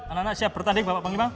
anak anak siap bertanding bapak panglima